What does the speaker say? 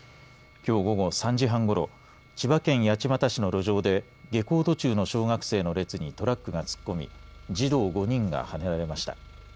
きょう午後３時半ごろ千葉県八街市の路上で下校途中の小学生の列にトラックが突っ込み児童５人がはねられました。